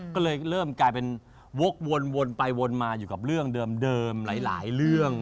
ก็เลยเริ่มกลายเป็นวกวนไปวนมาอยู่กับเรื่องเดิมหลายเรื่อง